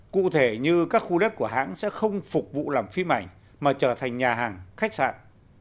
cụ thể như các khu đất của hãng sẽ không phục vụ làm phim ảnh mà trở thành nhà hàng khách sạn